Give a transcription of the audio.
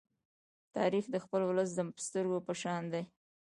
تاریخ د خپل ولس د سترگې په شان دی.